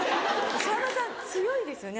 さんまさん強いですよね